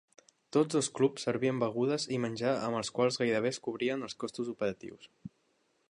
Tots dos clubs servien begudes i menjar amb els quals gairebé es cobrien els costos operatius.